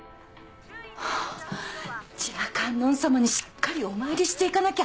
ハァじゃあ観音様にしっかりお参りしていかなきゃ。